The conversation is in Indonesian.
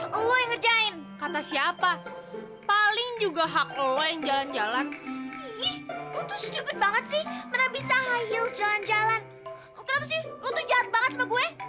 kenapa sih lo tuh jahat banget sama gue